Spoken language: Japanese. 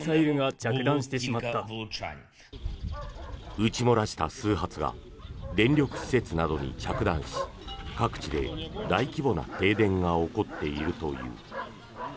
撃ち漏らした数発が電力施設などに着弾し各地で大規模な停電が起こっているという。